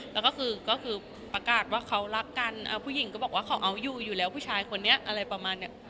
แล้วก็คือก็คือประกาศว่าเขารักกันผู้หญิงก็บอกว่าเขาเอาอยู่อยู่แล้วผู้ชายคนนี้อะไรประมาณเนี้ย